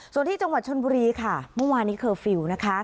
ส่วนที่จังหวัดชนบุรีค่ะเมื่อวานนี้เคอร์ฟิลล์นะคะ